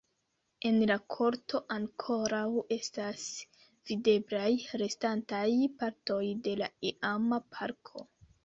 En la korto ankoraŭ estas videblaj restantaj partoj de la iama parko.